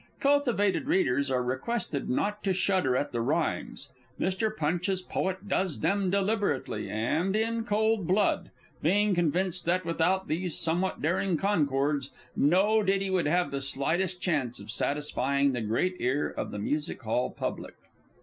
Cultivated readers are requested not to shudder at the rhymes. Mr. Punch's Poet does them deliberately and in cold blood, being convinced that without these somewhat daring concords, no ditty would have the slightest chance of satisfying the great ear of the Music hall public.